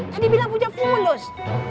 tadi bilang punya fulus